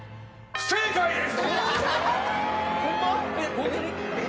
不正解です